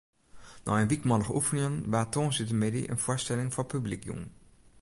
Nei in wykmannich oefenjen waard tongersdeitemiddei in foarstelling foar publyk jûn.